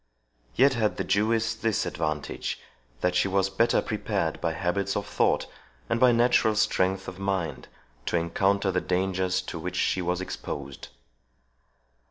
Yet had the Jewess this advantage, that she was better prepared by habits of thought, and by natural strength of mind, to encounter the dangers to which she was exposed.